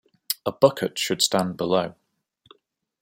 A bucket should stand below...